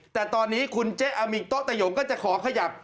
แต่ตอนนี้คุณเจ๊อามิโต๊ตะโยงก็จะขอขยับ